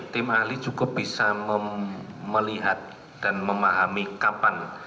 tim ahli cukup bisa melihat dan memahami kapan